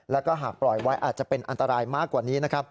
แล้วก็หากปล่อยไว้อาจจะเป็นอันตรายมากกว่านี้นะครับ